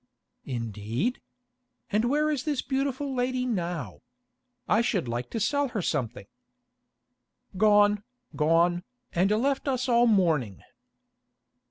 "Indeed? And where is this beautiful lady now? I should like to sell her something." "Gone, gone, and left us all mourning."